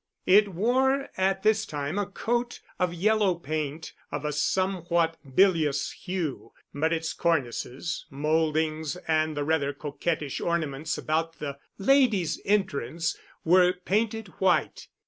It wore at this time a coat of yellow paint of a somewhat bilious hue, but its cornices, moldings, and the rather coquettish ornaments about the "Ladies Entrance" were painted white.